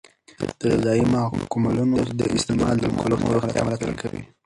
د غذایي ماکملونو استعمال د کولمو روغتیا ملاتړ کوي.